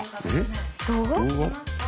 動画？